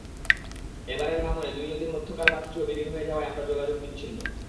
এবারের ভাঙনে দুই নদীর মধ্যকার বাঁধটিও বিলীন হয়ে যাওয়ায় আমরা যোগাযোগবিচ্ছিন্ন।